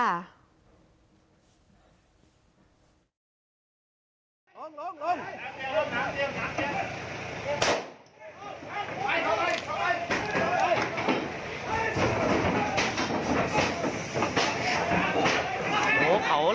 อันนี้คุณภาษาทิ้งไฟในถังแก๊สแล้วนะครับ